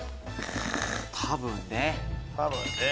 多分ね。